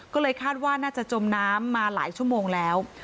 ก็เลยคาดว่าน่าจะจมน้ำมาหลายชั่วโมงแล้ว